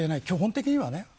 基本的にはね。